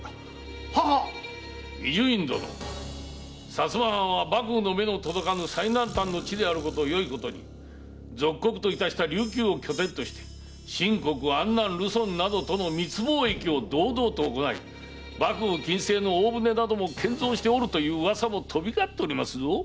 〔伊集院殿薩摩藩は幕府の目の届かぬ最南端の地であるのをよいことに属国といたした琉球を拠点として清国安南呂宋との密貿易を堂々と行い幕府禁制の大船も建造しておるという噂も飛び交っておりますぞ〕